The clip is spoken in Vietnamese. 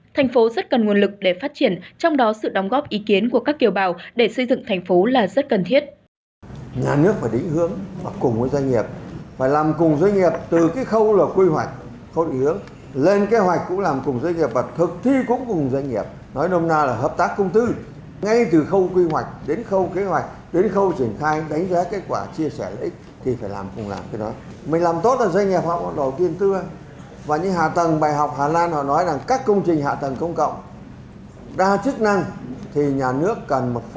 thành phố rất cần nguồn lực để phát triển trong đó sự đóng góp ý kiến của các kiểu bào để xây dựng thành phố là rất cần thiết